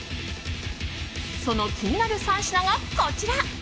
その気になる３品が、こちら。